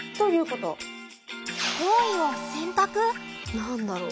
何だろう？